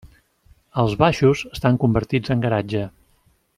Els baixos estan convertits en garatge.